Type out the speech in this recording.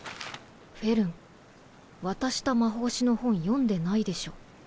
フェルン渡した魔法史の本読んでないでしょ。